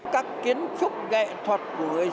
các kiến trúc nghệ thuật của người việt